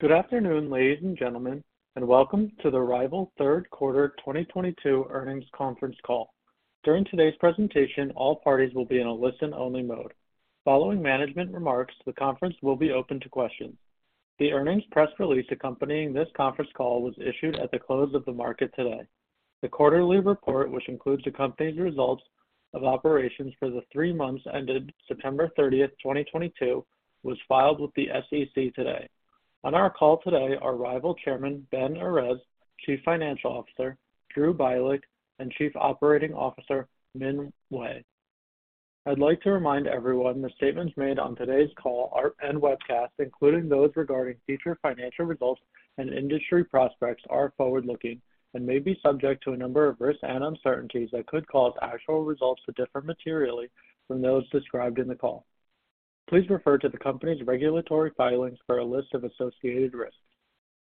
Good afternoon, ladies and gentlemen, Welcome to the RYVYL Third Quarter 2022 Earnings Conference Call. During today's presentation, all parties will be in a listen-only mode. Following management remarks, the conference will be open to questions. The earnings press release accompanying this conference call was issued at the close of the market today. The quarterly report, which includes the company's results of operations for the three months ended September 30th, 2022, was filed with the SEC today. On our call today are RYVYL Chairman, Ben Errez, Chief Financial Officer, Drew Byelick, and Chief Operating Officer, Min Wei. I'd like to remind everyone that statements made on today's call and webcast, including those regarding future financial results and industry prospects are forward-looking and may be subject to a number of risks and uncertainties that could cause actual results to differ materially from those described in the call. Please refer to the company's regulatory filings for a list of associated risks.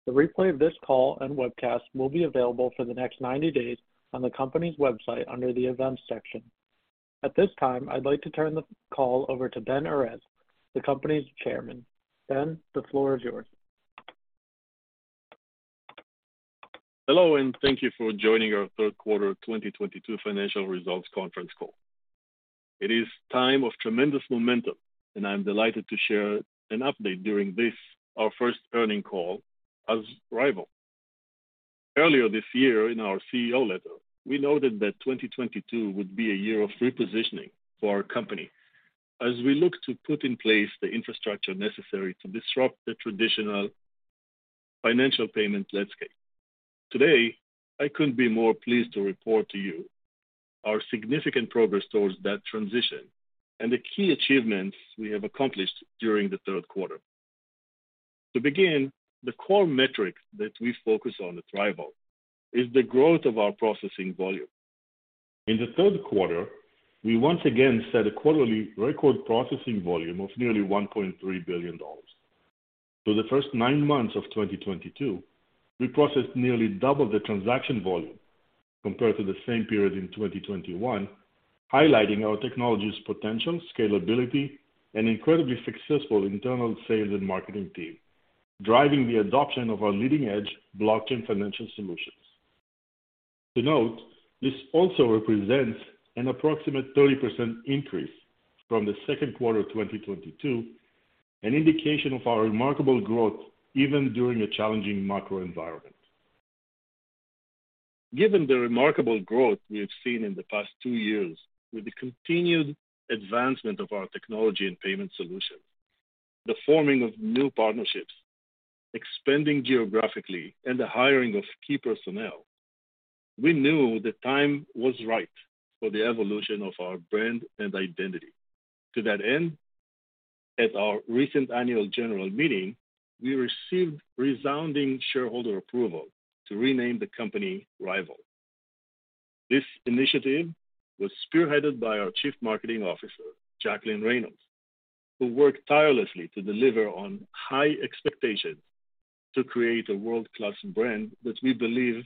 The replay of this call and webcast will be available for the next 90 days on the company's website under the Events section. At this time, I'd like to turn the call over to Ben Errez, the company's Chairman. Ben, the floor is yours. Hello, thank you for joining Our Third Quarter 2022 Financial Results Conference Call. It is time of tremendous momentum, and I'm delighted to share an update during this, our first earning call as RYVYL. Earlier this year in our CEO letter, we noted that 2022 would be a year of repositioning for our company as we look to put in place the infrastructure necessary to disrupt the traditional financial payment landscape. Today, I couldn't be more pleased to report to you our significant progress towards that transition and the key achievements we have accomplished during the third quarter. To begin, the core metrics that we focus on at RYVYL is the growth of our processing volume. In the third quarter, we once again set a quarterly record processing volume of nearly $1.3 billion. For the first nine months of 2022, we processed nearly double the transaction volume compared to the same period in 2021, highlighting our technology's potential, scalability, and incredibly successful internal sales and marketing team, driving the adoption of our leading-edge blockchain financial solutions. To note, this also represents an approximate 30% increase from the second quarter of 2022, an indication of our remarkable growth even during a challenging macro environment. Given the remarkable growth we have seen in the past two years with the continued advancement of our technology and payment solutions, the forming of new partnerships, expanding geographically, and the hiring of key personnel, we knew the time was right for the evolution of our brand and identity. To that end, at our recent annual general meeting, we received resounding shareholder approval to rename the company RYVYL. This initiative was spearheaded by our Chief Marketing Officer, Jacqueline Reynolds, who worked tirelessly to deliver on high expectations to create a world-class brand that we believe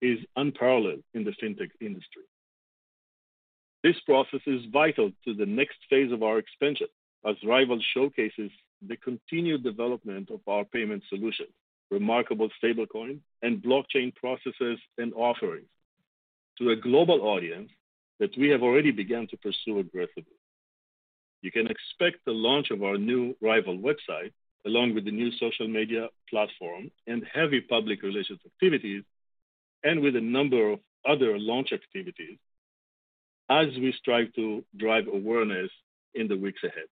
is unparalleled in the fintech industry. This process is vital to the next phase of our expansion as RYVYL showcases the continued development of our payment solution, remarkable stablecoin, and blockchain processes and offerings to a global audience that we have already begun to pursue aggressively. You can expect the launch of our new RYVYL website along with the new social media platform and heavy public relations activities and with a number of other launch activities as we strive to drive awareness in the weeks ahead.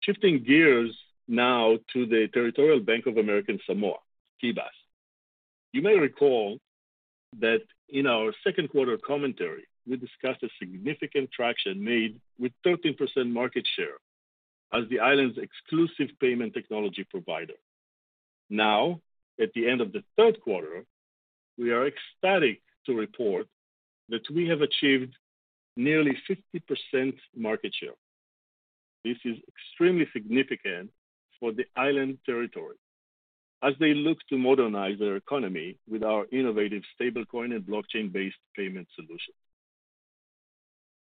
Shifting gears now to the Territorial Bank of American Samoa, TBAS. You may recall that in our second quarter commentary, we discussed a significant traction made with 13% market share as the island's exclusive payment technology provider. At the end of the third quarter, we are ecstatic to report that we have achieved nearly 50% market share. This is extremely significant for the island territory as they look to modernize their economy with our innovative stablecoin and blockchain-based payment solution.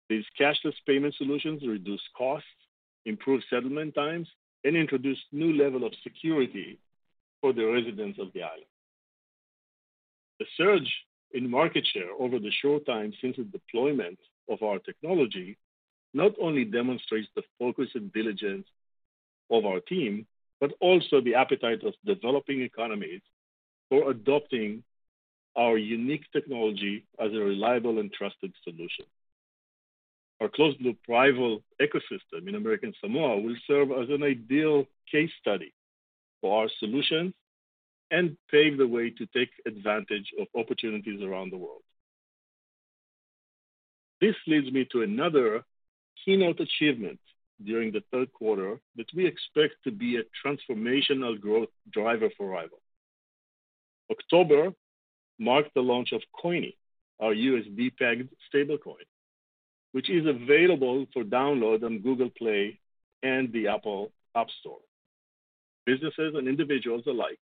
These cashless payment solutions reduce costs, improve settlement times, and introduce new level of security for the residents of the island. The surge in market share over the short time since the deployment of our technology not only demonstrates the focus and diligence of our team, but also the appetite of developing economies for adopting our unique technology as a reliable and trusted solution. Our closed-loop RYVYL ecosystem in American Samoa will serve as an ideal case study for our solutions and pave the way to take advantage of opportunities around the world. This leads me to another keynote achievement during the third quarter that we expect to be a transformational growth driver for RYVYL. October marked the launch of coyni, our USD-pegged stablecoin, which is available for download on Google Play and the Apple App Store. Businesses and individuals alike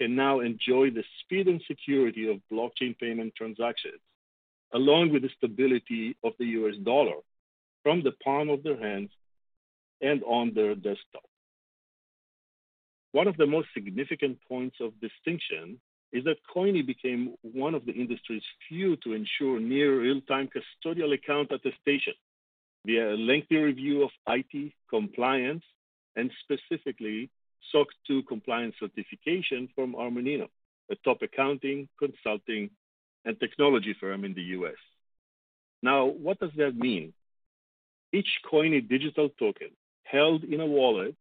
can now enjoy the speed and security of blockchain payment transactions, along with the stability of the U.S. dollar from the palm of their hands and on their desktop. One of the most significant points of distinction is that coyni became one of the industry's few to ensure near real-time custodial account attestation via a lengthy review of IT compliance and specifically SOC 2 compliance certification from Armanino, a top accounting, consulting, and technology firm in the U.S. What does that mean? Each coyni digital token held in a wallet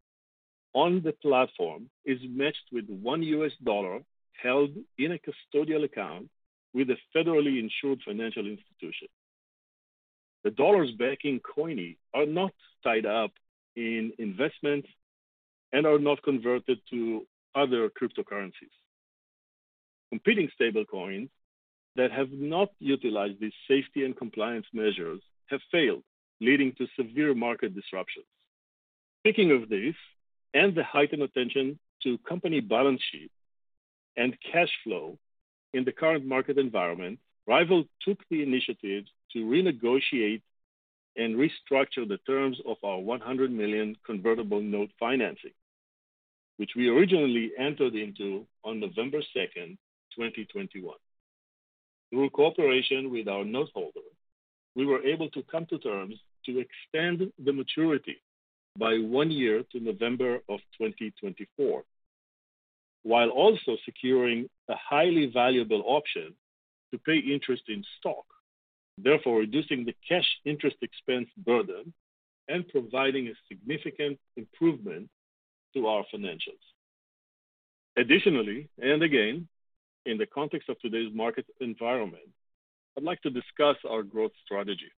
on the platform is matched with $1 held in a custodial account with a federally insured financial institution. The dollars backing coyni are not tied up in investments and are not converted to other cryptocurrencies. Competing stablecoins that have not utilized these safety and compliance measures have failed, leading to severe market disruptions. Speaking of this and the heightened attention to company balance sheet and cash flow in the current market environment, RYVYL took the initiative to renegotiate and restructure the terms of our $100 million convertible note financing, which we originally entered into on November 2, 2021. Through cooperation with our note holder, we were able to come to terms to extend the maturity by one year to November of 2024, while also securing a highly valuable option to pay interest in stock, therefore reducing the cash interest expense burden and providing a significant improvement to our financials. Additionally, and again, in the context of today's market environment, I'd like to discuss our growth strategy.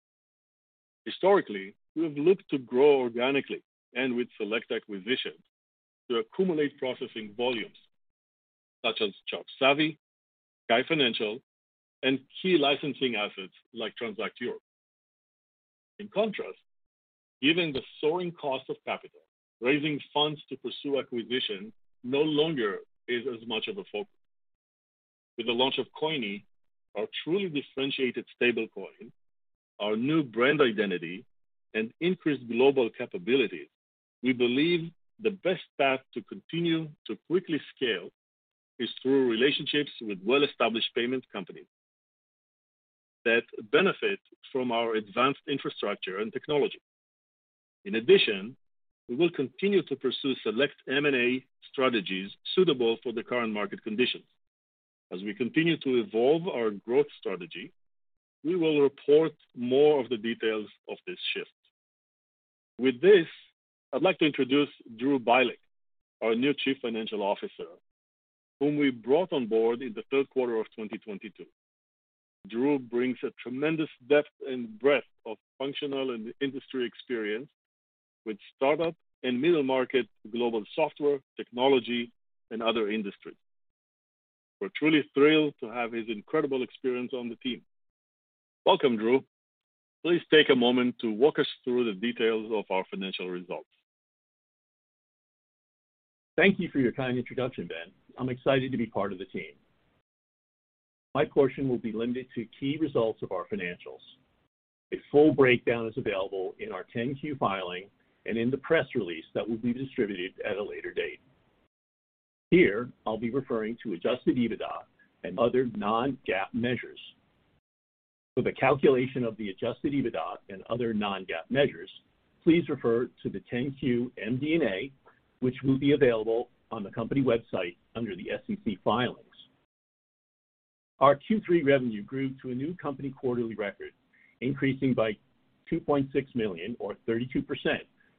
Historically, we have looked to grow organically and with select acquisitions to accumulate processing volumes such as ChargeSavvy, Sky Financial, and key licensing assets like Transact Europe. In contrast, given the soaring cost of capital, raising funds to pursue acquisition no longer is as much of a focus. With the launch of coyni, our truly differentiated stablecoin, our new brand identity, and increased global capabilities, we believe the best path to continue to quickly scale is through relationships with well-established payment companies that benefit from our advanced infrastructure and technology. In addition, we will continue to pursue select M&A strategies suitable for the current market conditions. As we continue to evolve our growth strategy, we will report more of the details of this shift. With this, I'd like to introduce Drew Byelick, our new Chief Financial Officer, whom we brought on board in the third quarter of 2022. Drew brings a tremendous depth and breadth of functional and industry experience with startup and middle market global software, technology, and other industries. We're truly thrilled to have his incredible experience on the team. Welcome, Drew. Please take a moment to walk us through the details of our financial results. Thank you for your kind introduction, Ben. I'm excited to be part of the team. My portion will be limited to key results of our financials. A full breakdown is available in our 10-Q filing and in the press release that will be distributed at a later date. Here, I'll be referring to adjusted EBITDA and other non-GAAP measures. For the calculation of the adjusted EBITDA and other non-GAAP measures, please refer to the 10-Q MD&A, which will be available on the company website under the SEC filings. Our Q3 revenue grew to a new company quarterly record, increasing by $2.6 million or 32%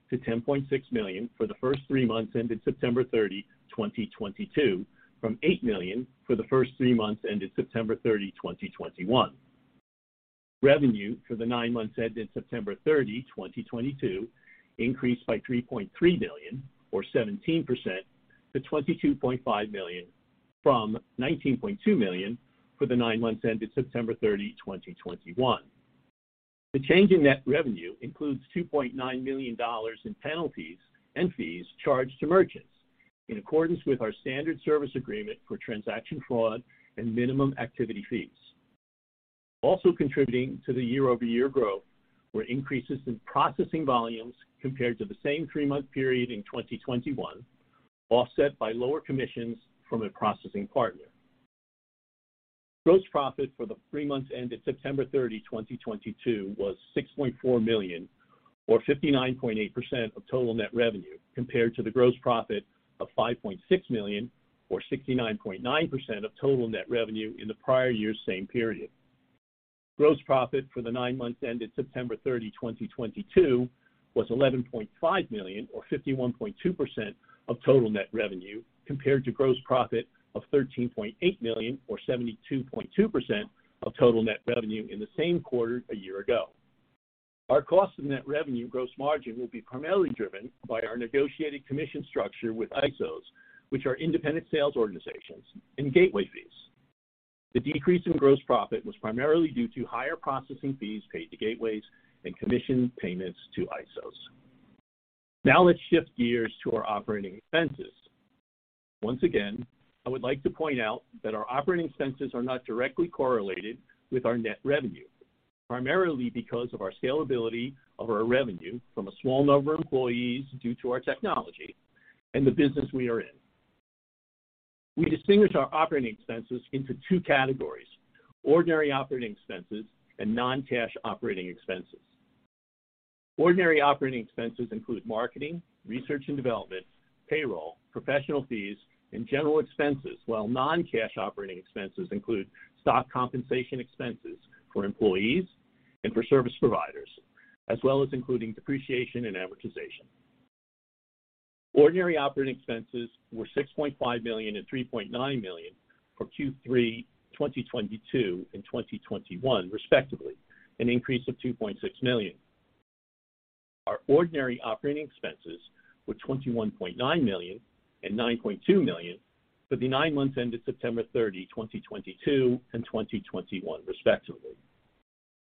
to $10.6 million for the first three months ended September 30, 2022, from $8 million for the first three months ended September 30, 2021. Revenue for the nine months ended September 30, 2022, increased by $3.3 million or 17% to $22.5 million from $19.2 million for the nine months ended September 30, 2021. The change in net revenue includes $2.9 million in penalties and fees charged to merchants in accordance with our standard service agreement for transaction fraud and minimum activity fees. Also contributing to the year-over-year growth were increases in processing volumes compared to the same three-month period in 2021, offset by lower commissions from a processing partner. Gross profit for the three months ended September 30, 2022, was $6.4 million or 59.8% of total net revenue, compared to the gross profit of $5.6 million or 69.9% of total net revenue in the prior year's same period. Gross profit for the nine months ended September 30, 2022, was $11.5 million or 51.2% of total net revenue, compared to gross profit of $13.8 million or 72.2% of total net revenue in the same quarter a year ago. Our cost of net revenue gross margin will be primarily driven by our negotiated commission structure with ISOs, which are Independent Sales Organizations and gateway fees. The decrease in gross profit was primarily due to higher processing fees paid to gateways and commission payments to ISOs. Let's shift gears to our operating expenses. Once again, I would like to point out that our operating expenses are not directly correlated with our net revenue, primarily because of our scalability of our revenue from a small number of employees due to our technology and the business we are in. We distinguish our operating expenses into two categories: ordinary operating expenses and non-cash operating expenses. Ordinary operating expenses include marketing, research and development, payroll, professional fees, and general expenses, while non-cash operating expenses include stock compensation expenses for employees and for service providers, as well as including depreciation and amortization. Ordinary operating expenses were $6.5 million and $3.9 million for Q3 2022 and 2021 respectively, an increase of $2.6 million. Our ordinary operating expenses were $21.9 million and $9.2 million for the nine months ended September 30, 2022 and 2021 respectively.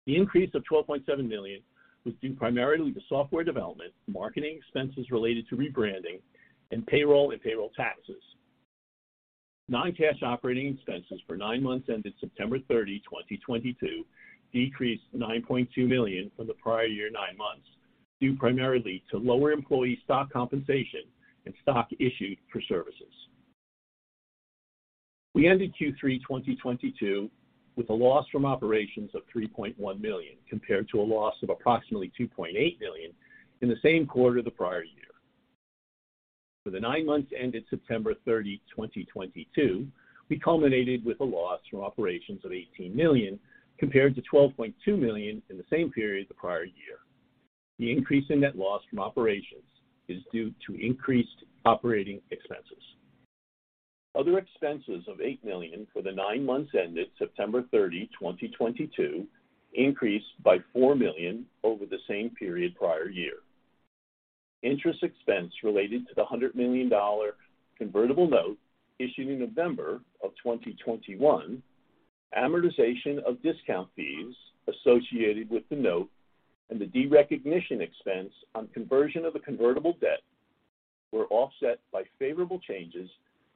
The increase of $12.7 million was due primarily to software development, marketing expenses related to rebranding and payroll and payroll taxes. Non-cash operating expenses for nine months ended September 30, 2022 decreased to $9.2 million from the prior year nine months, due primarily to lower employee stock compensation and stock issued for services. We ended Q3 2022 with a loss from operations of $3.1 million, compared to a loss of approximately $2.8 million in the same quarter the prior year. For the nine months ended September 30, 2022, we culminated with a loss from operations of $18 million, compared to $12.2 million in the same period the prior year. The increase in net loss from operations is due to increased operating expenses. Other expenses of $8 million for the nine months ended September 30, 2022 increased by $4 million over the same period prior year. Interest expense related to the $100 million convertible note issued in November of 2021, amortization of discount fees associated with the note, and the derecognition expense on conversion of the convertible debt were offset by favorable changes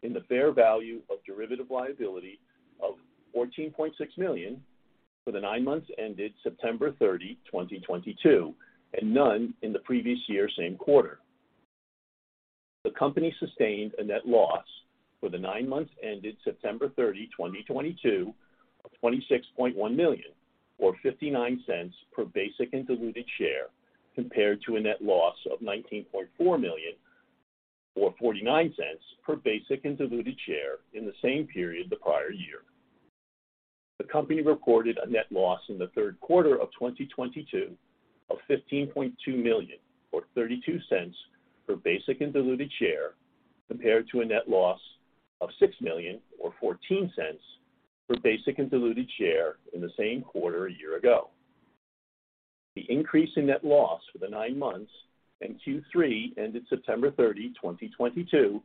in the fair value of derivative liability of $14.6 million for the nine months ended September 30, 2022, and none in the previous year same quarter. The company sustained a net loss for the nine months ended September 30, 2022 of $26.1 million or $0.59 per basic and diluted share, compared to a net loss of $19.4 million or $0.49 per basic and diluted share in the same period the prior year. The company reported a net loss in the third quarter of 2022 of $15.2 million or $0.32 per basic and diluted share, compared to a net loss of $6 million or $0.14 per basic and diluted share in the same quarter a year ago. The increase in net loss for the nine months and Q3 ended September 30, 2022,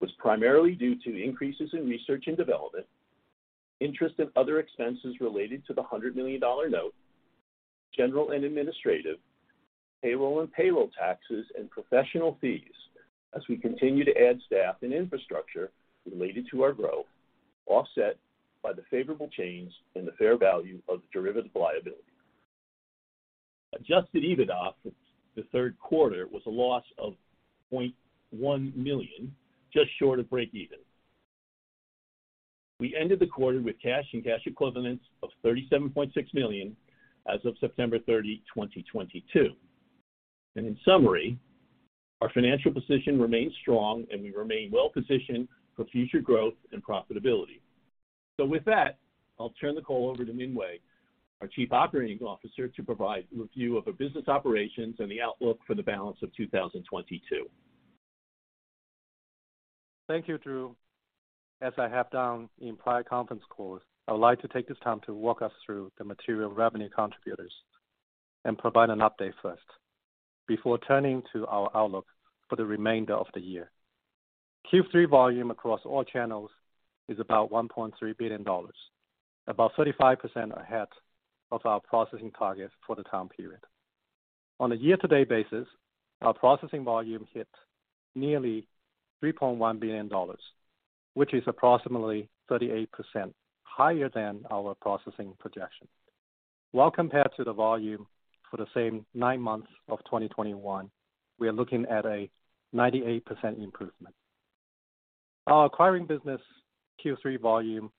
was primarily due to increases in research and development, interest and other expenses related to the $100 million note, general and administrative, payroll and payroll taxes, and professional fees as we continue to add staff and infrastructure related to our growth, offset by the favorable change in the fair value of the derivative liability. Adjusted EBITDA for the third quarter was a loss of $0.1 million, just short of breakeven. We ended the quarter with cash and cash equivalents of $37.6 million as of September 30, 2022. In summary, our financial position remains strong, and we remain well positioned for future growth and profitability. With that, I'll turn the call over to Min Wei, our Chief Operating Officer, to provide a review of the business operations and the outlook for the balance of 2022. Thank you, Drew. As I have done in prior conference calls, I would like to take this time to walk us through the material revenue contributors and provide an update first before turning to our outlook for the remainder of the year. Q3 volume across all channels is about $1.3 billion, about 35% ahead of our processing targets for the time period. On a year-to-date basis, our processing volume hit nearly $3.1 billion, which is approximately 38% higher than our processing projection. Compared to the volume for the same nine months of 2021, we are looking at a 98% improvement. Our acquiring business Q3 volume,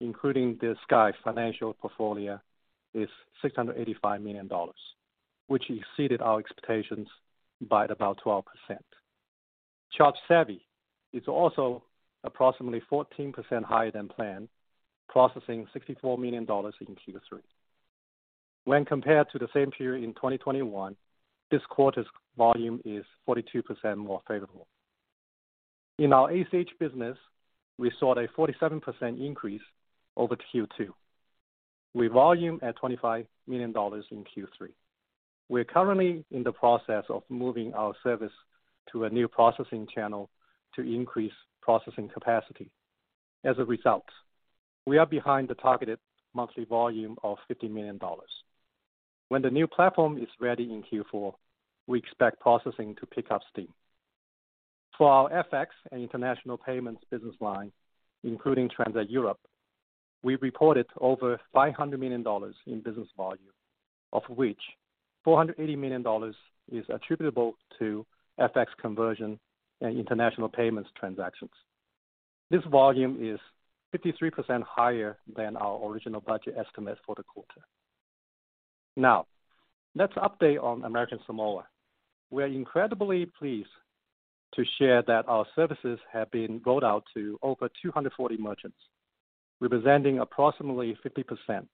including the Sky Financial portfolio, is $685 million, which exceeded our expectations by about 12%. ChargeSavvy is also approximately 14% higher than planned, processing $64 million in Q3. When compared to the same period in 2021, this quarter's volume is 42% more favorable. In our ACH business, we saw a 47% increase over Q2 with volume at $25 million in Q3. We are currently in the process of moving our service to a new processing channel to increase processing capacity. As a result, we are behind the targeted monthly volume of $50 million. When the new platform is ready in Q4, we expect processing to pick up steam. For our FX and international payments business line, including Transact Europe, we reported over $500 million in business volume, of which $480 million is attributable to FX conversion and international payments transactions. This volume is 53% higher than our original budget estimates for the quarter. Let's update on American Samoa. We are incredibly pleased to share that our services have been rolled out to over 240 merchants, representing approximately 50%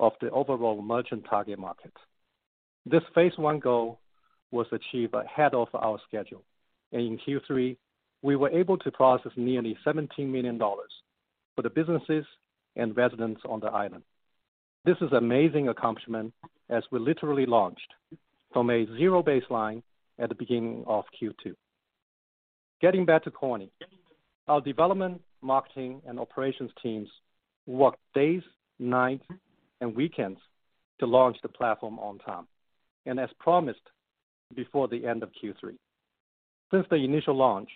of the overall merchant target market. This phase one goal was achieved ahead of our schedule, and in Q3, we were able to process nearly $17 million for the businesses and residents on the island. This is amazing accomplishment as we literally launched from a zero baseline at the beginning of Q2. Getting back to coyni, our development, marketing, and operations teams worked days, nights, and weekends to launch the platform on time and as promised before the end of Q3. Since the initial launch,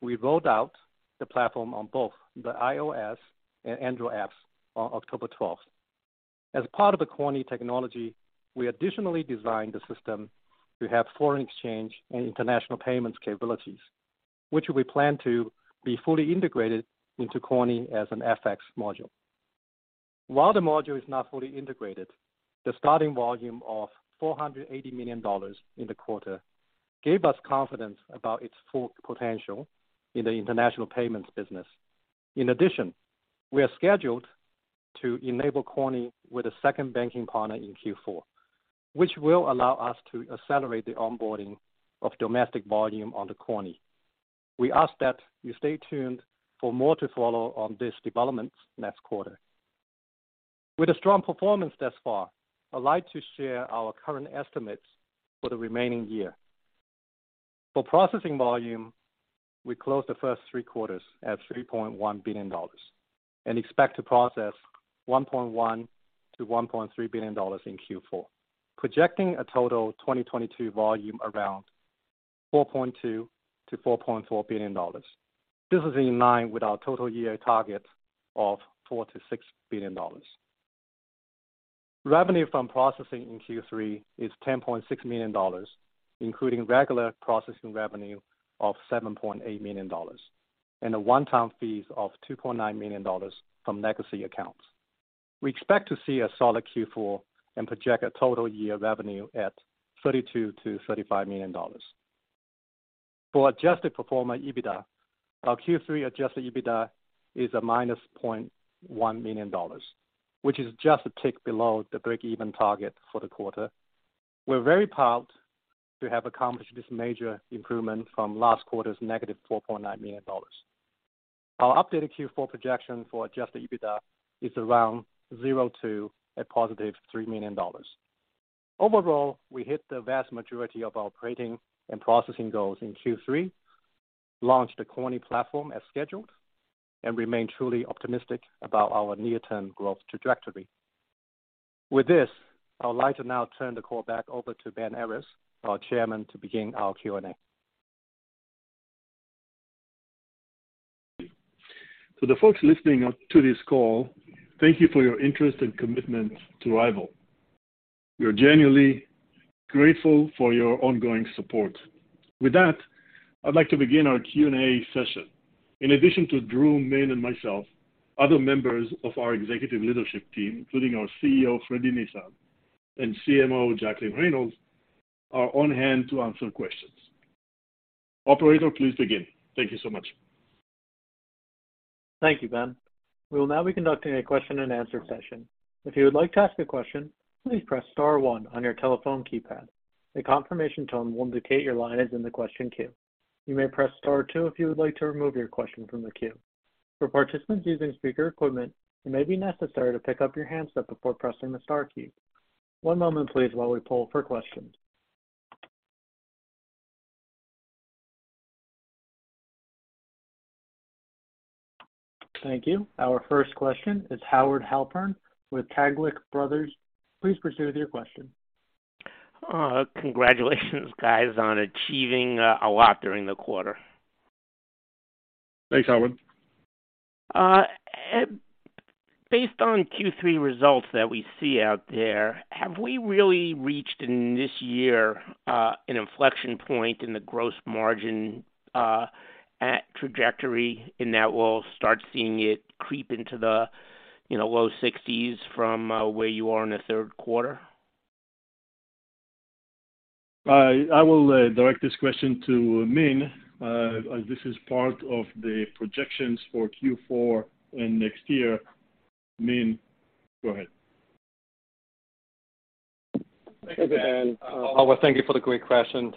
we rolled out the platform on both the iOS and Android apps on October 12th. As part of the coyni technology, we additionally designed the system to have foreign exchange and international payments capabilities, which we plan to be fully integrated into coyni as an FX module. While the module is not fully integrated, the starting volume of $480 million in the quarter gave us confidence about its full potential in the international payments business. In addition, we are scheduled to enable coyni with a second banking partner in Q4, which will allow us to accelerate the onboarding of domestic volume onto coyni. We ask that you stay tuned for more to follow on this development next quarter. With a strong performance thus far, I'd like to share our current estimates for the remaining year. For processing volume, we closed the first three quarters at $3.1 billion and expect to process $1.1 billion-$1.3 billion in Q4, projecting a total 2022 volume around $4.2 billion-$4.4 billion. This is in line with our total year target of $4 billion-$6 billion. Revenue from processing in Q3 is $10.6 million, including regular processing revenue of $7.8 million and a one-time fees of $2.9 million from legacy accounts. We expect to see a solid Q4 and project a total year revenue at $32 million-$35 million. For adjusted pro forma EBITDA, our Q3 adjusted EBITDA is -$0.1 million, which is just a tick below the breakeven target for the quarter. We're very proud to have accomplished this major improvement from last quarter's -$4.9 million. Our updated Q4 projection for adjusted EBITDA is around $0-$3 million. Overall, we hit the vast majority of our operating and processing goals in Q3, launched the coyni platform as scheduled, and remain truly optimistic about our near-term growth trajectory. With this, I would like to now turn the call back over to Ben Errez, our Chairman, to begin our Q&A. To the folks listening to this call, thank you for your interest and commitment to RYVYL. We are genuinely grateful for your ongoing support. With that, I'd like to begin our Q&A session. In addition to Drew, Min, and myself, other members of our executive leadership team, including our CEO, Fredi Nisan, and CMO, Jacqueline Reynolds, are on hand to answer questions. Operator, please begin. Thank you so much. Thank you, Ben. We will now be conducting a question and answer session. If you would like to ask a question, please press star one on your telephone keypad. A confirmation tone will indicate your line is in the question queue. You may press star two if you would like to remove your question from the queue. For participants using speaker equipment, it may be necessary to pick up your handset before pressing the star key. One moment, please, while we poll for questions. Thank you. Our first question is Howard Halpern with Taglich Brothers. Please proceed with your question. Congratulations, guys, on achieving a lot during the quarter. Thanks, Howard. Based on Q3 results that we see out there, have we really reached in this year, an inflection point in the gross margin, at trajectory, and that we'll start seeing it creep into the, you know, low 60s% from, where you are in the third quarter? I will direct this question to Min as this is part of the projections for Q4 and next year. Min, go ahead. Thanks, Ben. Howard, thank you for the great question.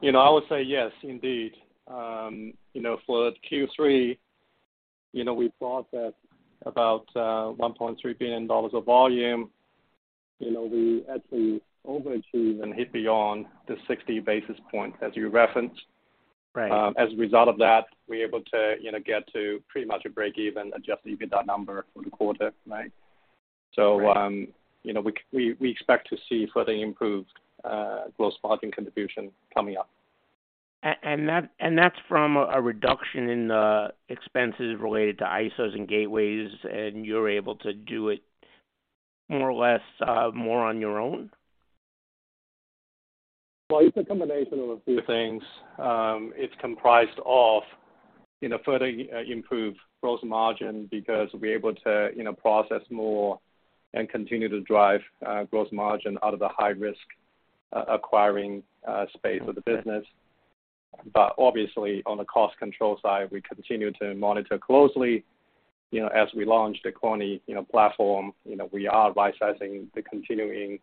You know, I would say yes, indeed. You know, for Q3, you know, we thought that about, $1.3 billion of volume. You know, we actually overachieve and hit beyond the 60 basis point, as you referenced. Right. As a result of that, we're able to, you know, get to pretty much a break-even adjusted EBITDA number for the quarter, right? Right. You know, we expect to see further improved, gross margin contribution coming up. That, and that's from a reduction in the expenses related to ISOs and gateways, and you're able to do it more or less, more on your own? It's a combination of a few things. It's comprised of, you know, further improve gross margin because we're able to, you know, process more and continue to drive gross margin out of the high-risk acquiring space of the business. Obviously, on the cost control side, we continue to monitor closely. You know, as we launch the coyni, you know, platform, you know, we are rightsizing the continuing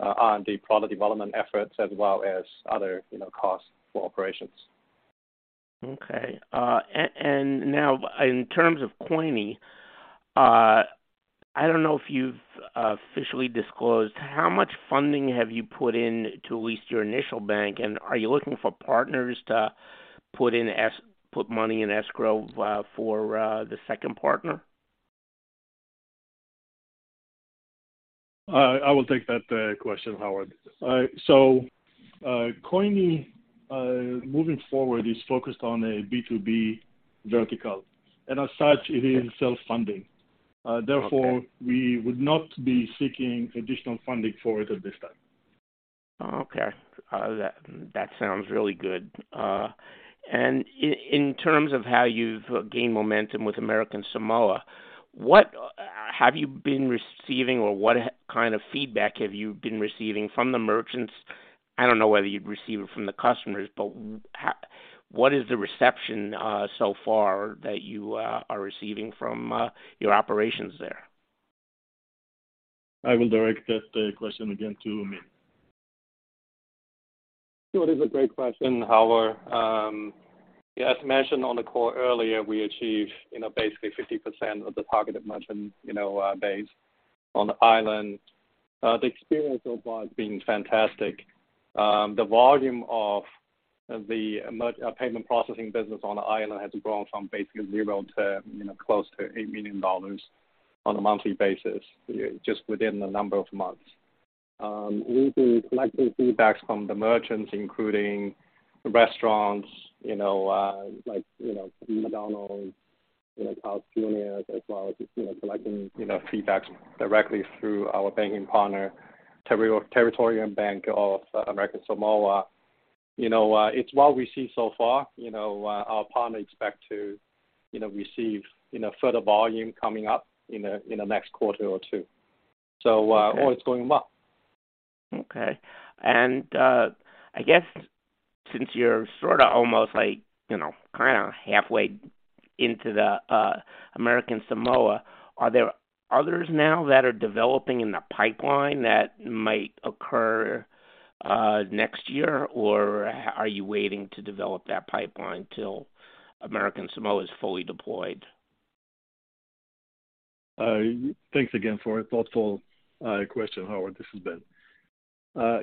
R&D product development efforts as well as other, you know, costs for operations. Okay. Now in terms of coyni, I don't know if you've officially disclosed, how much funding have you put in to lease your initial bank, and are you looking for partners to put money in escrow for the second partner? I will take that question, Howard. coyni, moving forward is focused on a B2B vertical, and as such it is self-funding. Okay. We would not be seeking additional funding for it at this time. Okay. That sounds really good. In terms of how you've gained momentum with American Samoa, what have you been receiving or what kind of feedback have you been receiving from the merchants? I don't know whether you'd receive it from the customers, but what is the reception so far that you are receiving from your operations there? I will direct that question again to Min. Sure. That's a great question, Howard. As mentioned on the call earlier, we achieved, you know, basically 50% of the targeted merchant, you know, base on the island. The experience so far has been fantastic. The volume of the payment processing business on the island has grown from basically zero to, you know, close to $8 million on a monthly basis just within a number of months. We've been collecting feedbacks from the merchants, including restaurants, you know, like, you know, McDonald's, you know, Carl's Jr., as well as just, you know, collecting, you know, feedbacks directly through our banking partner, Territorial Bank of American Samoa. You know, it's what we see so far. You know, our partners expect to, you know, receive, you know, further volume coming up in the, in the next quarter or two. So, uh- Okay. All is going well. Okay. I guess since you're sorta almost like, you know, kinda halfway into the American Samoa, are there others now that are developing in the pipeline that might occur next year, or are you waiting to develop that pipeline till American Samoa is fully deployed? Thanks again for a thoughtful question, Howard. This is Ben.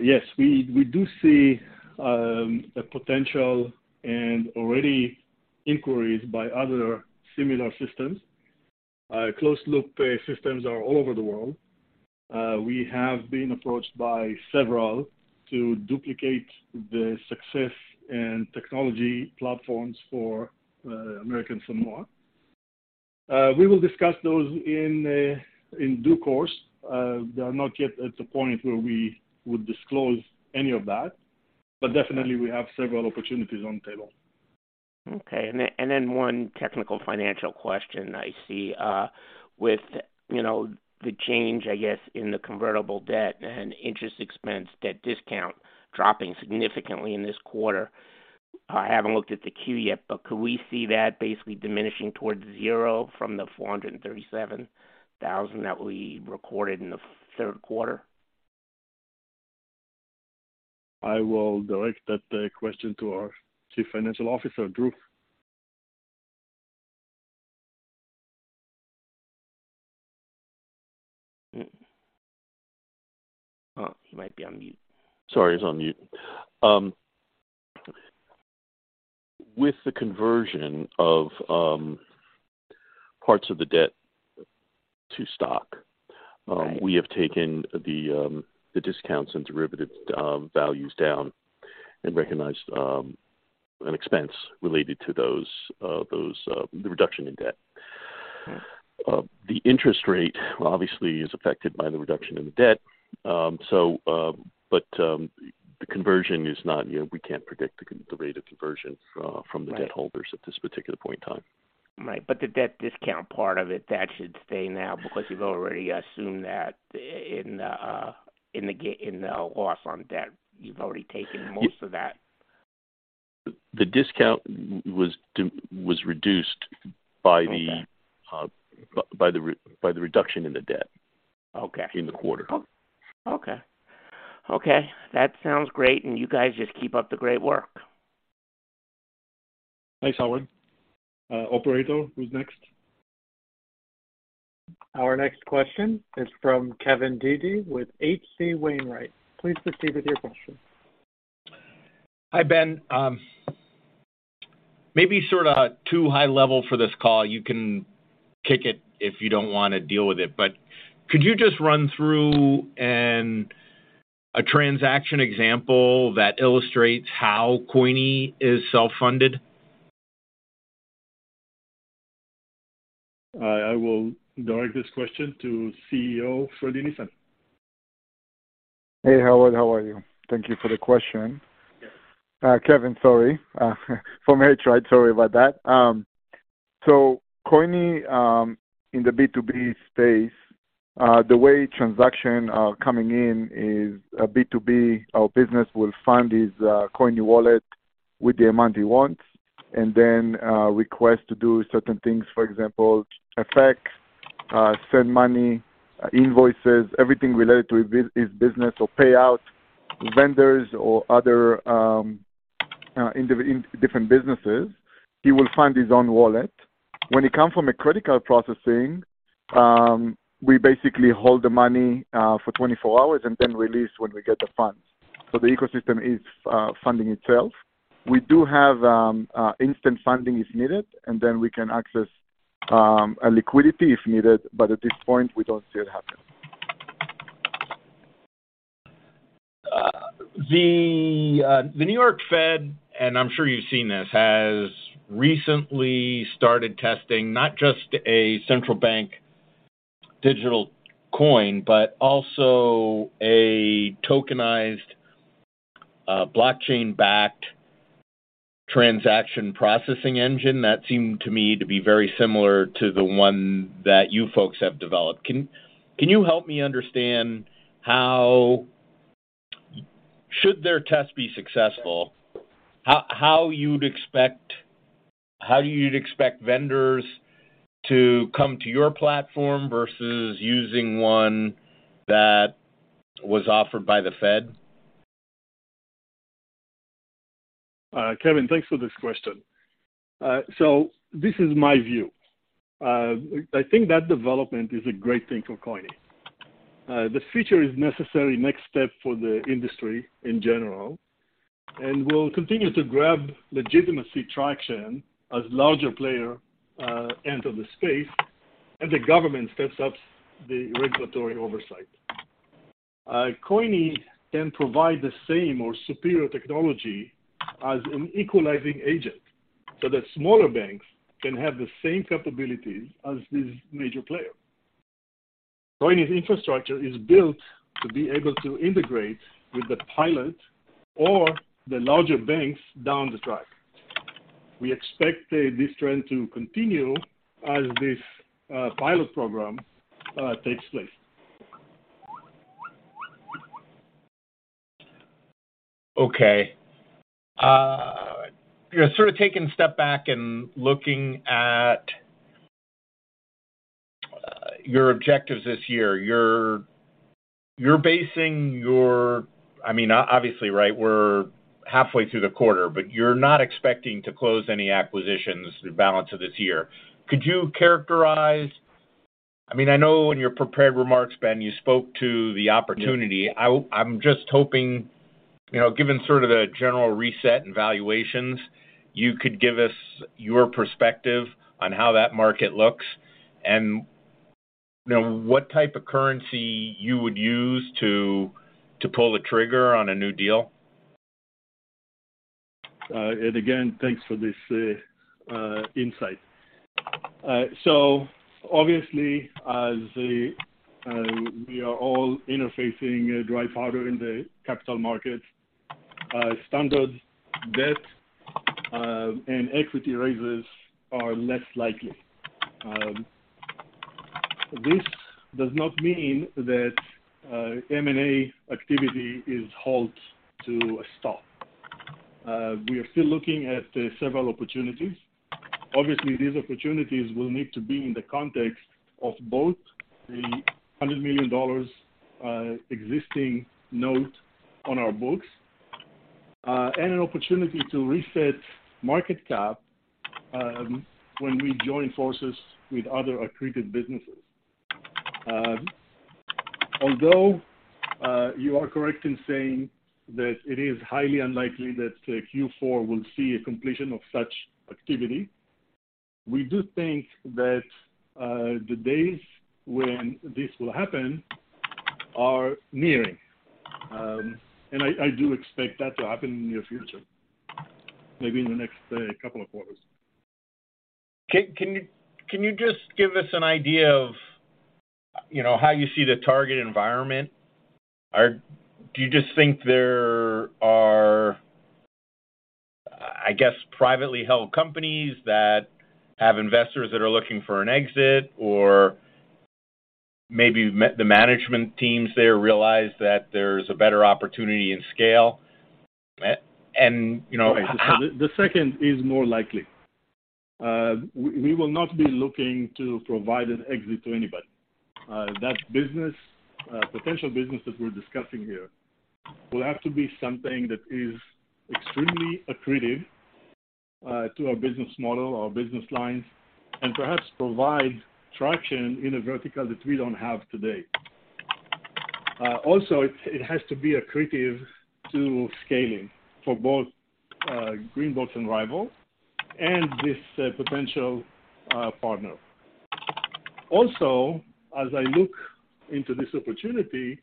Yes, we do see a potential and already inquiries by other similar systems. Closed-loop pay systems are all over the world. We have been approached by several to duplicate the success and technology platforms for American Samoa. We will discuss those in due course. They are not yet at the point where we would disclose any of that, but definitely, we have several opportunities on the table. Okay. Then, and then one technical financial question I see, with, you know, the change, I guess, in the convertible debt and interest expense, debt discount dropping significantly in this quarter. I haven't looked at the 10-Q yet, could we see that basically diminishing towards zero from the $437,000 that we recorded in the third quarter? I will direct that question to our Chief Financial Officer, Drew. Oh, he might be on mute. Sorry. I was on mute. With the conversion of parts of the debt to stock... Right. We have taken the discounts and derivative values down and recognized an expense related to those the reduction in debt. Mm. The interest rate obviously is affected by the reduction in the debt. The conversion is not, you know, we can't predict the rate of conversion. Right. From the debt holders at this particular point in time. Right. The debt discount part of it, that should stay now because you've already assumed that in the in the loss on debt. You've already taken most of that. The discount was reduced by the. Okay. By the reduction in the debt. Okay. In the quarter. Okay. Okay, that sounds great. You guys just keep up the great work. Thanks, Howard. operator, who's next? Our next question is from Kevin Dede with H.C. Wainwright. Please proceed with your question. Hi, Ben. maybe sort of too high level for this call. You can kick it if you don't wanna deal with it. could you just run through a transaction example that illustrates how coyni is self-funded? I will direct this question to CEO, Fredi Nisan. Hey, Howard, how are you? Thank you for the question. Yes. Kevin, sorry. From HRI, sorry about that. coyni in the B2B space, the way transactions are coming in is a B2B. Our business will fund this coyni wallet with the amount he wants and then request to do certain things, for example, send money, invoices, everything related to his business or pay out vendors or other different businesses. He will fund his own wallet. When you come from a critical processing, we basically hold the money for 24 hours and then release when we get the funds. The ecosystem is funding itself. We do have instant funding is needed, and then we can access a liquidity if needed, but at this point we don't see it happen. The New York Fed, and I'm sure you've seen this, has recently started testing not just a central bank digital coin, but also a tokenized, blockchain-backed transaction processing engine that seemed to me to be very similar to the one that you folks have developed. Can you help me understand how should their test be successful, how you'd expect vendors to come to your platform vs using one that was offered by the Fed? Kevin, thanks for this question. This is my view. I think that development is a great thing for coyni. The feature is necessary next step for the industry in general, and we'll continue to grab legitimacy traction as larger player enter the space, and the government steps up the regulatory oversight. coyni can provide the same or superior technology as an equalizing agent so that smaller banks can have the same capabilities as these major player. coyni's infrastructure is built to be able to integrate with the pilot or the larger banks down the track. We expect this trend to continue as this pilot program takes place. You know, sort of taking a step back and looking at your objectives this year, you're basing your... I mean, obviously, right, we're halfway through the quarter, but you're not expecting to close any acquisitions the balance of this year. Could you characterize... I mean, I know in your prepared remarks, Ben, you spoke to the opportunity. I'm just hoping, you know, given sort of the general reset and valuations, you could give us your perspective on how that market looks and, you know, what type of currency you would use to pull the trigger on a new deal. Again, thanks for this insight. Obviously, as we are all interfacing dry powder in the capital market, standard debt and equity raises are less likely. This does not mean that M&A activity is halt to a stop. We are still looking at several opportunities. Obviously, these opportunities will need to be in the context of both the $100 million existing note on our books and an opportunity to reset market cap when we join forces with other accreted businesses. Although you are correct in saying that it is highly unlikely that Q4 will see a completion of such activity, we do think that the days when this will happen are nearing. I do expect that to happen in the near future, maybe in the next couple of quarters. Can you just give us an idea of, you know, how you see the target environment? Do you just think there are, I guess, privately held companies that have investors that are looking for an exit or maybe the management teams there realize that there's a better opportunity and scale? The second is more likely. We will not be looking to provide an exit to anybody. That business, potential business that we're discussing here will have to be something that is extremely accretive to our business model, our business lines, and perhaps provide traction in a vertical that we don't have today. Also it has to be accretive to scaling for both GreenBox and RYVYL and this potential partner. Also, as I look into this opportunity,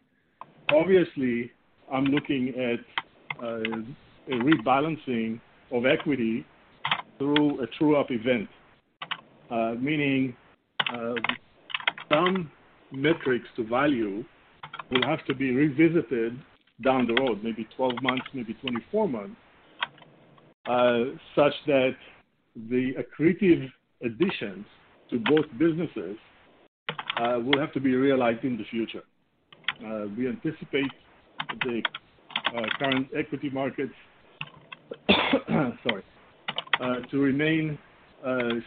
obviously I'm looking at a rebalancing of equity through a true-up event. Meaning, some metrics to value will have to be revisited down the road, maybe 12 months, maybe 24 months, such that the accretive additions to both businesses will have to be realized in the future. We anticipate the current equity markets, sorry, to remain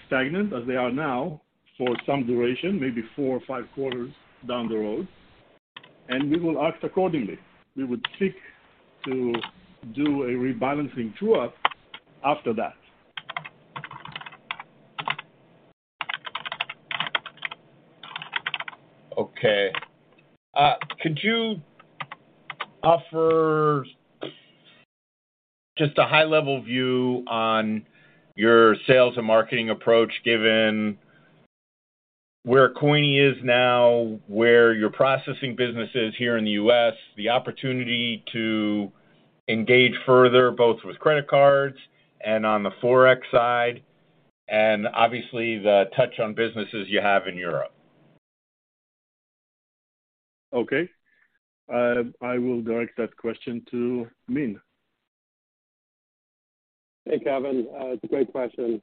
stagnant as they are now for some duration, maybe four or five quarters down the road, and we will act accordingly. We would seek to do a rebalancing true-up after that. Okay. Could you offer just a high-level view on your sales and marketing approach, given where coyni is now, where your processing business is here in the U.S., the opportunity to engage further, both with credit cards and on the forex side, and obviously the touch on businesses you have in Europe? Okay. I will direct that question to Min. Hey, Kevin, it's a great question.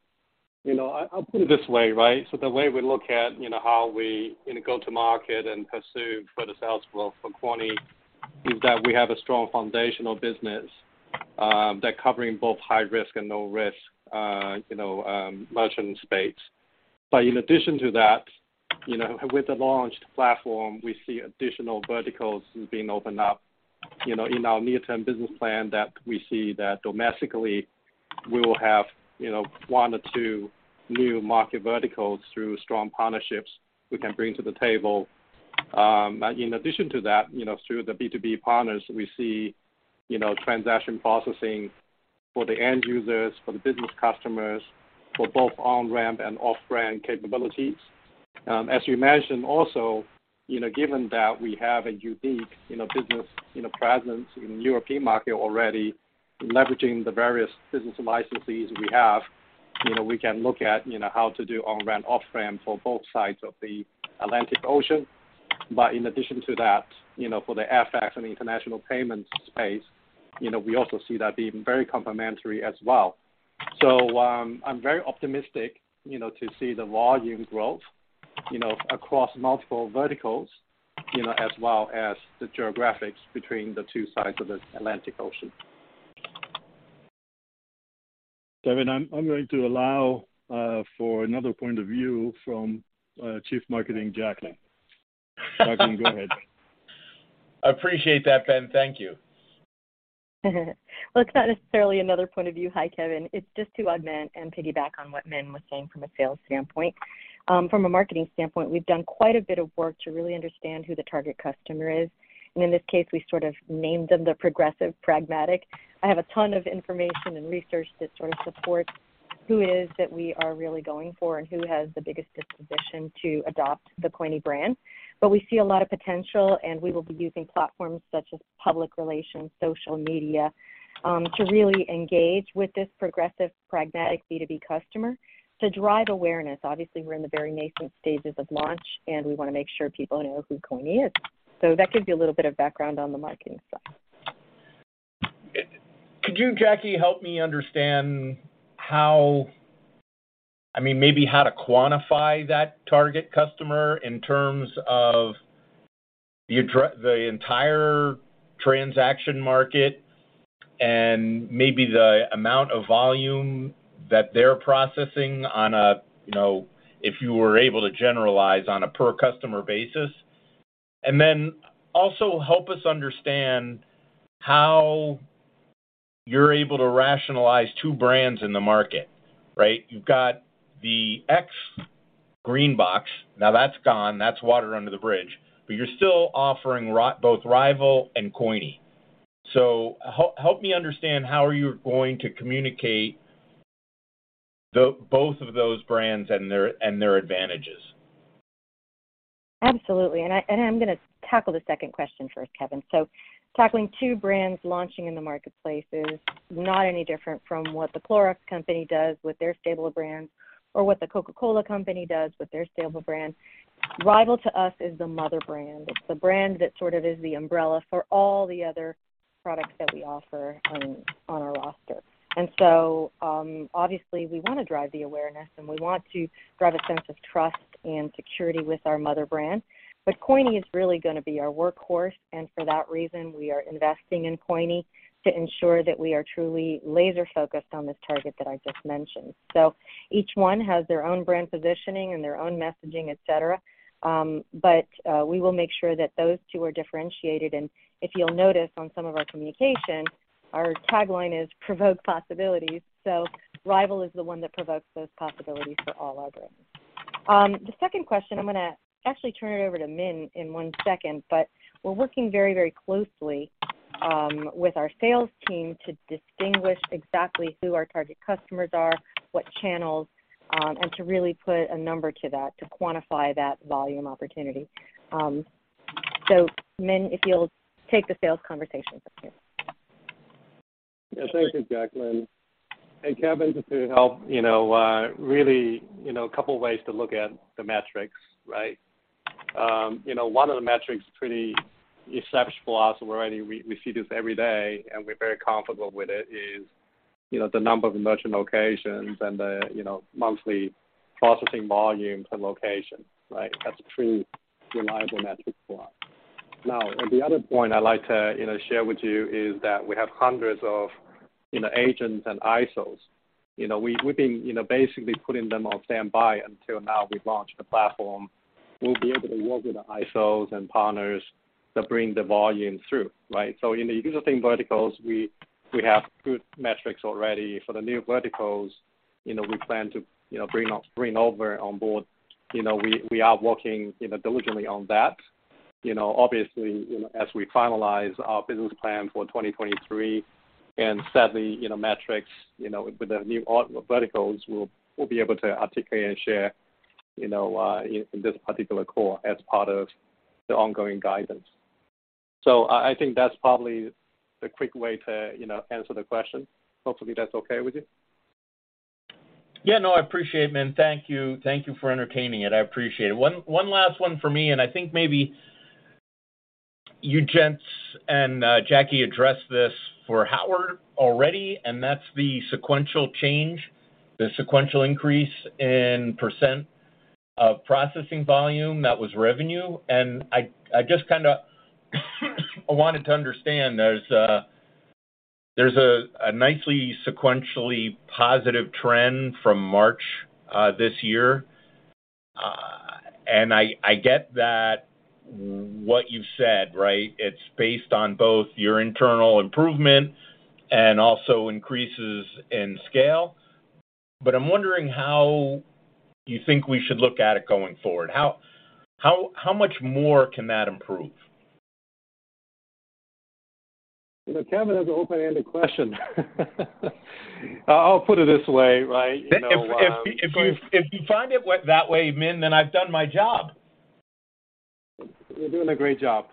You know, I'll put it this way, right? The way we look at, you know, how we go to market and pursue further sales growth for coyni is that we have a strong foundational business that covering both high risk and no risk, you know, merchant space. In addition to that, you know, with the launched platform, we see additional verticals being opened up, you know, in our near-term business plan that we see that domestically we will have, you know, one or two new market verticals through strong partnerships we can bring to the table. In addition to that, you know, through the B2B partners, we see, you know, transaction processing for the end users, for the business customers, for both on-ramp and off-ramp capabilities. As you mentioned also, you know, given that we have a unique, you know, business, you know, presence in European market already, leveraging the various business licenses we have, you know, we can look at, you know, how to do on-ramp, off-ramp for both sides of the Atlantic Ocean. In addition to that, you know, for the FX and the international payment space, you know, we also see that being very complementary as well. I'm very optimistic, you know, to see the volume growth, you know, across multiple verticals, you know, as well as the geographics between the two sides of the Atlantic Ocean. Kevin, I'm going to allow for another point of view from Chief Marketing, Jacqueline. Jacqueline, go ahead. I appreciate that, Ben. Thank you. It's not necessarily another point of view. Hi, Kevin. It's just to augment and piggyback on what Min was saying from a sales standpoint. From a marketing standpoint, we've done quite a bit of work to really understand who the target customer is. In this case, we sort of named them the progressive pragmatic. I have a ton of information and research that sort of supports who it is that we are really going for and who has the biggest disposition to adopt the coyni brand. We see a lot of potential, and we will be using platforms such as public relations, social media, to really engage with this progressive pragmatic B2B customer to drive awareness. Obviously, we're in the very nascent stages of launch, and we wanna make sure people know who coyni is. That gives you a little bit of background on the marketing side. Could you, Jackie, help me understand how I mean, maybe how to quantify that target customer in terms of your the entire transaction market and maybe the amount of volume that they're processing on a, you know, if you were able to generalize, on a per customer basis? Also help us understand how you're able to rationalize two brands in the market, right? You've got the Ex-Greenbox. Now that's gone. That's water under the bridge. You're still offering both RYVYL and coyni. Help me understand how are you going to communicate both of those brands and their advantages? Absolutely. I'm gonna tackle the second question first, Kevin. Tackling two brands launching in the marketplace is not any different from what The Clorox Company does with their stable of brands or what The Coca-Cola Company does with their stable brand. RYVYL to us is the mother brand. It's the brand that sort of is the umbrella for all the other products that we offer on our roster. Obviously we wanna drive the awareness, and we want to drive a sense of trust and security with our mother brand. coyni is really gonna be our workhorse, and for that reason, we are investing in coyni to ensure that we are truly laser-focused on this target that I just mentioned. Each one has their own brand positioning and their own messaging, et cetera. We will make sure that those two are differentiated. If you'll notice on some of our communication, our tagline is "Provoke possibilities." RYVYL is the one that provokes those possibilities for all our brands. The second question, I'm gonna actually turn it over to Min in one second, we're working very, very closely with our sales team to distinguish exactly who our target customers are, what channels, and to really put a number to that, to quantify that volume opportunity. Min, if you'll take the sales conversation from here. Yeah. Thank you, Jacqueline. Kevin, just to help, you know, really, you know, a couple ways to look at the metrics, right? You know, one of the metrics pretty essential for us, and we see this every day, and we're very comfortable with it, is, you know, the number of merchant locations and the, you know, monthly processing volume per location, right? That's a pretty reliable metric for us. The other point I'd like to, you know, share with you is that we have 100s of, you know, agents and ISOs. You know, we've been, you know, basically putting them on standby until now we've launched the platform. We'll be able to work with the ISOs and partners to bring the volume through, right? In the existing verticals, we have good metrics already. For the new verticals, you know, we plan to, you know, bring over on board. We are working, you know, diligently on that. Obviously, you know, as we finalize our business plan for 2023 and set the, you know, metrics, you know, with the new verticals, we'll be able to articulate and share, you know, in this particular call as part of the ongoing guidance. I think that's probably the quick way to, you know, answer the question. Hopefully, that's okay with you. Yeah. No, I appreciate, Min. Thank you. Thank you for entertaining it. I appreciate it. One last one for me, I think maybe you gents and Jackie addressed this for Howard already, and that's the sequential change, the sequential increase in % of processing volume that was revenue. I just kinda wanted to understand. There's a nicely sequentially positive trend from March this year. I get that, what you've said, right? It's based on both your internal improvement and also increases in scale. I'm wondering how you think we should look at it going forward. How much more can that improve? You know, Kevin has an open-ended question. I'll put it this way, right? You know, If you find it that way, Min, then I've done my job. You're doing a great job.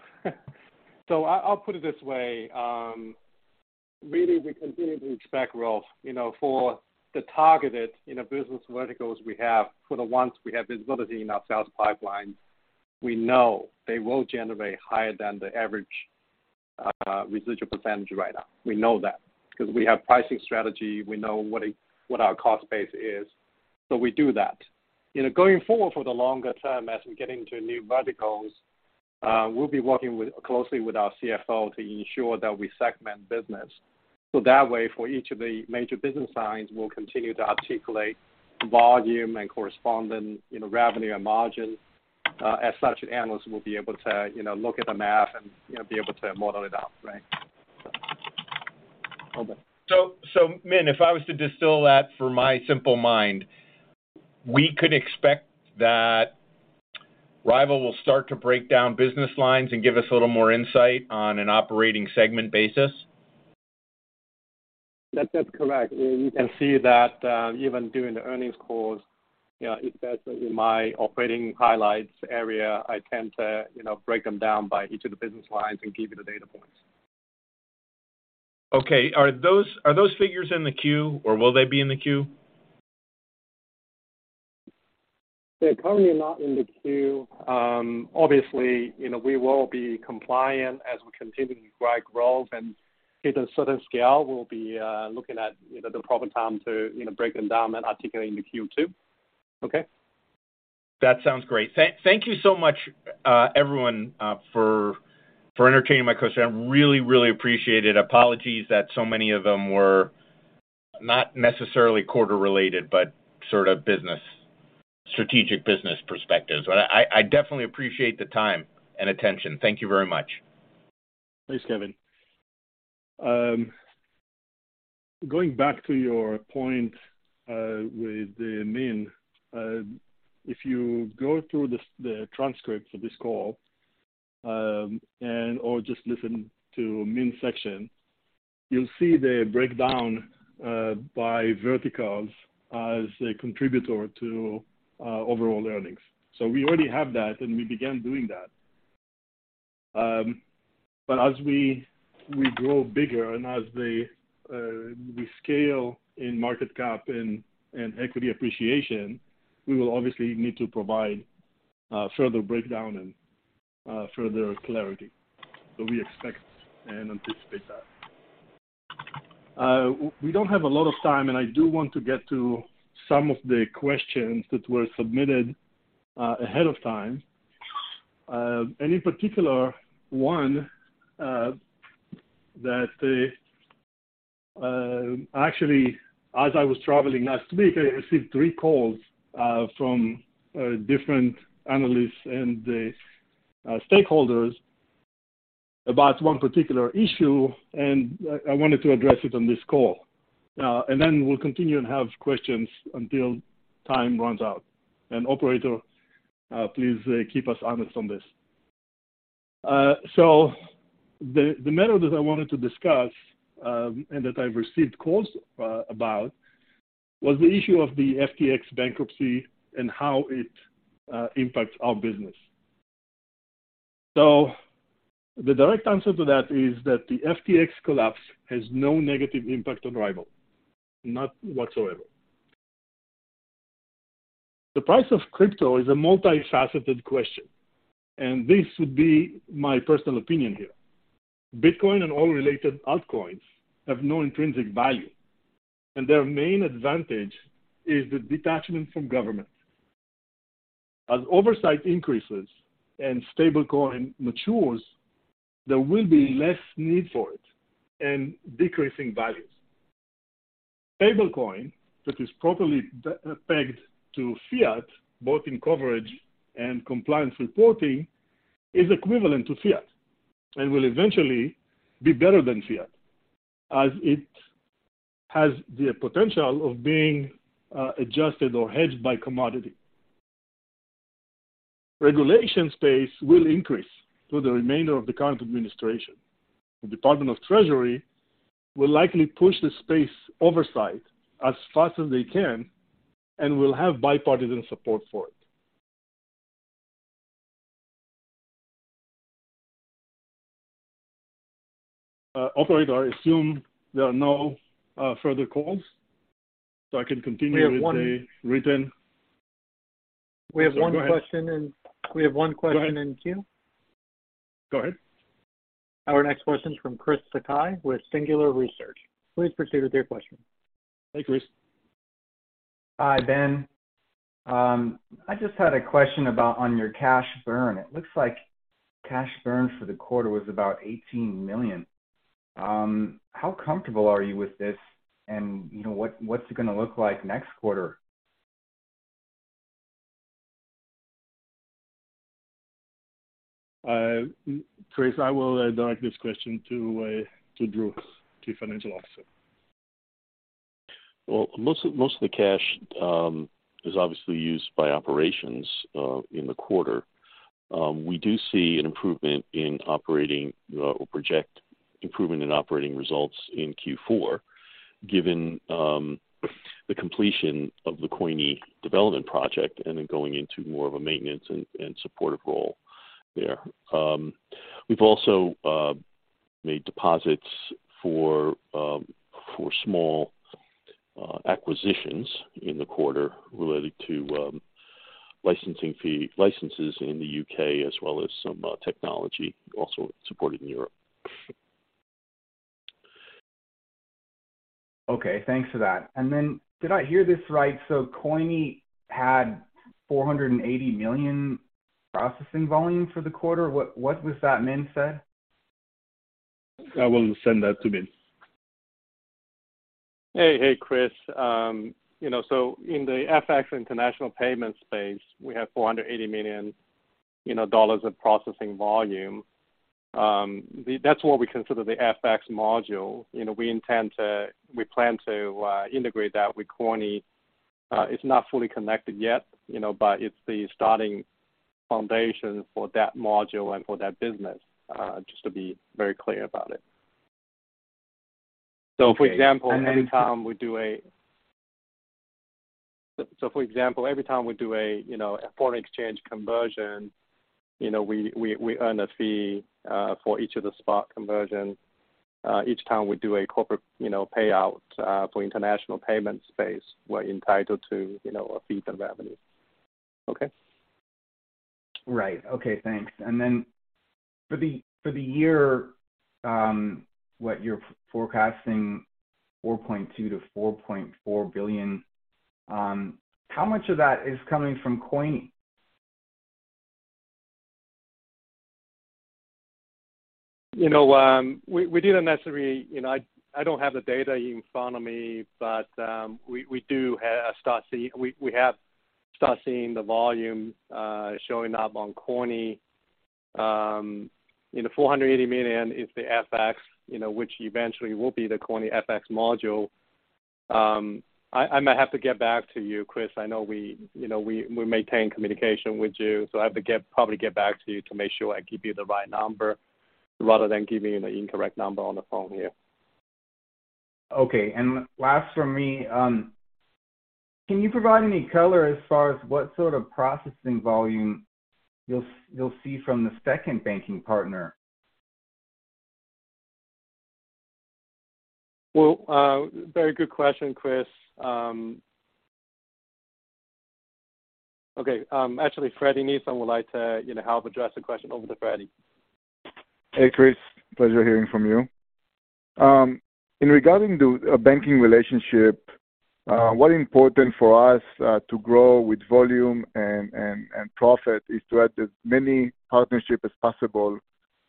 I'll put it this way. Really we continue to expect growth, you know, for the targeted, you know, business verticals we have. For the ones we have visibility in our sales pipeline, we know they will generate higher than the average residual percentage right now. We know that 'cause we have pricing strategy, we know what our cost base is, so we do that. You know, going forward for the longer term as we get into new verticals, we'll be working closely with our CFO to ensure that we segment business. That way, for each of the major business lines, we'll continue to articulate volume and corresponding, you know, revenue and margin. As such, analysts will be able to, you know, look at the math and, you know, be able to model it out, right? Over. Min, if I was to distill that for my simple mind, we could expect that RYVYL will start to break down business lines and give us a little more insight on an operating segment basis? That's just correct. You can see that, even during the earnings calls, you know, if that's in my operating highlights area, I tend to, you know, break them down by each of the business lines and give you the data points. Are those figures in the 10-Q, or will they be in the 10-Q? They're currently not in the Q. Obviously, you know, we will be compliant as we continue to drive growth. Hit a certain scale, we'll be looking at, you know, the proper time to, you know, break them down and articulate in the Q2. Okay. That sounds great. Thank you so much, everyone, for entertaining my question. I really appreciate it. Apologies that so many of them were not necessarily quarter-related but sort of business strategic business perspectives. I definitely appreciate the time and attention. Thank you very much. Thanks, Kevin. Going back to your point with Min, if you go through the transcript for this call, and/or just listen to Min's section, you'll see the breakdown by verticals as a contributor to overall earnings. We already have that, and we began doing that. As we grow bigger and as the we scale in market cap and equity appreciation, we will obviously need to provide further breakdown and further clarity. We expect and anticipate that. We don't have a lot of time, and I do want to get to some of the questions that were submitted ahead of time. Any particular one that... Actually, as I was traveling last week, I received three calls from different analysts and stakeholders about one particular issue, and I wanted to address it on this call. We'll continue and have questions until time runs out. Operator, please keep us honest on this. The matter that I wanted to discuss and that I've received calls about was the issue of the FTX bankruptcy and how it impacts our business. The direct answer to that is that the FTX collapse has no negative impact on RYVYL. Not whatsoever. The price of crypto is a multifaceted question, and this would be my personal opinion here. Bitcoin and all related altcoins have no intrinsic value, and their main advantage is the detachment from government. As oversight increases and stablecoin matures, there will be less need for it and decreasing values. Stablecoin that is properly pegged to fiat, both in coverage and compliance reporting, is equivalent to fiat and will eventually be better than fiat, as it has the potential of being adjusted or hedged by commodity. Regulation space will increase through the remainder of the current Administration. The Department of the Treasury will likely push the space oversight as fast as they can and will have bipartisan support for it. Operator, I assume there are no further calls, so I can continue. We have. With the written... We have one question in-. Go ahead. We have one question in queue. Go ahead. Our next question is from Chris Sakai with Singular Research. Please proceed with your question. Hey, Chris. Hi, Ben. I just had a question about on your cash burn. It looks like cash burn for the quarter was about $18 million. How comfortable are you with this? You know, what's it gonna look like next quarter? Chris, I will direct this question to Drew, Chief Financial Officer. Well, most of the cash is obviously used by operations in the quarter. We do see an improvement in operating or project improvement in operating results in Q4, given the completion of the coyni development project and then going into more of a maintenance and supportive role there. We've also made deposits for small acquisitions in the quarter related to licensing fee, licenses in the U.K. as well as some technology also supported in Europe. Okay. Thanks for that. Did I hear this right? coyni had $480 million processing volume for the quarter? What was that Min said? I will send that to Min. Hey, hey, Chris. You know, in the FX international payment space, we have $480 million, you know, of processing volume. That's what we consider the FX module. You know, we plan to integrate that with coyni. It's not fully connected yet, you know, but it's the starting foundation for that module and for that business, just to be very clear about it. Okay. For example, every time we do a, you know, a foreign exchange conversion, you know, we earn a fee for each of the spot conversion. Each time we do a corporate, you know, payout for international payment space, we're entitled to, you know, a fee for revenue. Okay? Right. Okay, thanks. Then for the year, what you're forecasting $4.2 billion-$4.4 billion, how much of that is coming from coyni? You know, we didn't necessarily. You know, I don't have the data in front of me, but we have start seeing the volume showing up on coyni. You know, $480 million is the FX, you know, which eventually will be the coyni FX module. I might have to get back to you, Chris. I know we, you know, we maintain communication with you, so I have to probably get back to you to make sure I give you the right number rather than giving you the incorrect number on the phone here. Okay. Last from me, can you provide any color as far as what sort of processing volume you'll see from the second banking partner? Well, very good question, Chris Sakai. Okay, actually, Fredi Nisan would like to, you know, help address the question. Over to Fredi. Hey, Chris. Pleasure hearing from you. In regarding the banking relationship, what important for us to grow with volume and profit is to add as many partnership as possible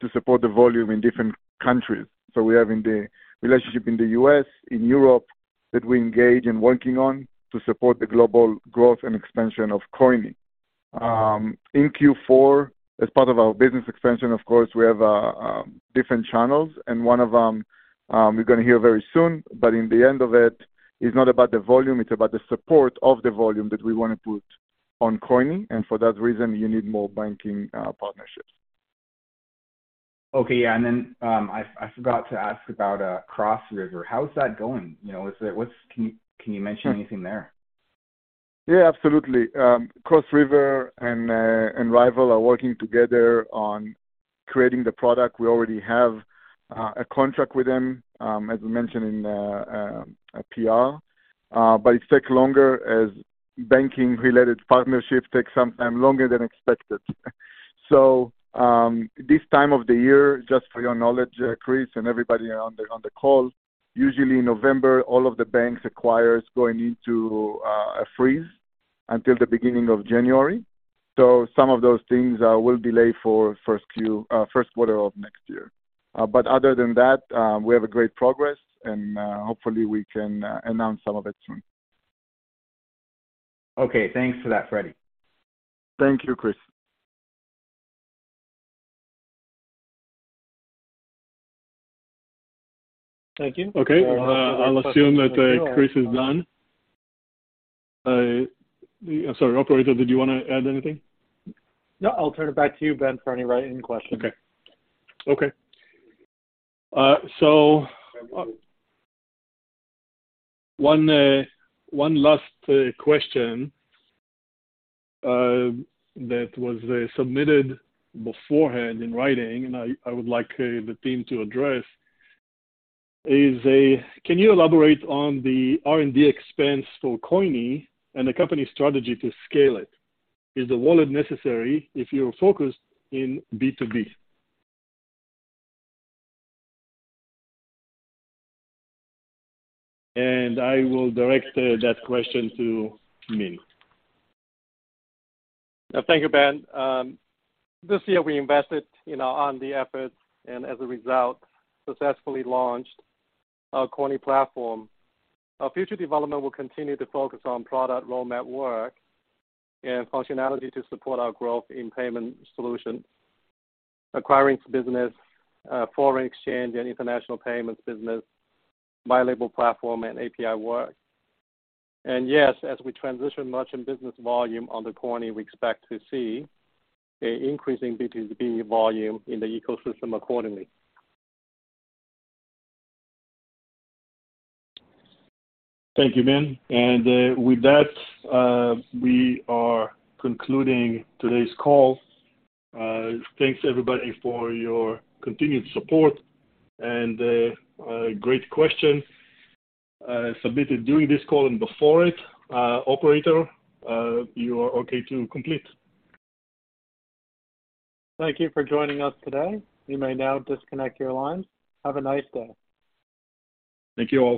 to support the volume in different countries. We have in the relationship in the U.S., in Europe, that we engage in working on to support the global growth and expansion of coyni. In Q4, as part of our business expansion, of course, we have different channels and one of them, we're gonna hear very soon. In the end of it's not about the volume, it's about the support of the volume that we wanna put on coyni, and for that reason, you need more banking partnerships. Okay, yeah. I forgot to ask about Cross River. How is that going? You know, can you mention anything there? Yeah, absolutely. Cross River and RYVYL are working together on creating the product. We already have a contract with them, as we mentioned in a PR, it takes longer as banking-related partnerships take some time longer than expected. This time of the year, just for your knowledge, Chris, and everybody on the call, usually November, all of the banks acquires going into a freeze until the beginning of January. Some of those things will delay for first quarter of next year. Other than that, we have a great progress, hopefully we can announce some of it soon. Okay. Thanks for that, Fredi. Thank you, Chris. Thank you. Okay. I'll assume that, Chris is done. I'm sorry. Operator, did you wanna add anything? No, I'll turn it back to you, Ben, for any writing questions. Okay. Okay. One last question that was submitted beforehand in writing, and I would like the team to address, is, can you elaborate on the R&D expense for coyni and the company's strategy to scale it? Is the wallet necessary if you're focused in B2B? I will direct that question to Min. Thank you, Ben. This year we invested, you know, on the efforts, and as a result, successfully launched our coyni platform. Our future development will continue to focus on product roadmap work and functionality to support our growth in payment solutions, acquiring business, foreign exchange and international payments business, white-label platform and API work. As we transition merchant business volume on the coyni, we expect to see an increasing B2B volume in the ecosystem accordingly. Thank you, Min. With that, we are concluding today's call. Thanks everybody for your continued support and great questions submitted during this call and before it. Operator, you are okay to complete. Thank you for joining us today. You may now disconnect your lines. Have a nice day. Thank you all.